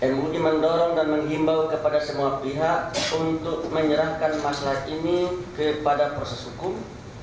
mui mendorong dan menghimbau kepada semua pihak untuk menyerahkan masalah ini kepada proses hukum